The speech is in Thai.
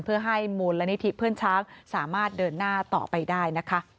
เพื่อให้มูลนิธิเพื่อนช้างสามารถเดินหน้าต่อไปได้นะคะ